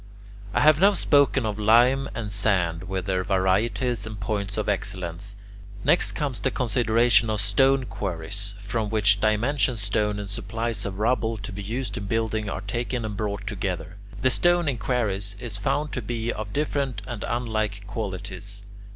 I have now spoken of lime and sand, with their varieties and points of excellence. Next comes the consideration of stone quarries from which dimension stone and supplies of rubble to be used in building are taken and brought together. The stone in quarries is found to be of different and unlike qualities.